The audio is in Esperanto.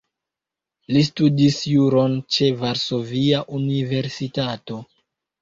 Li studis juron ĉe Varsovia Universitato.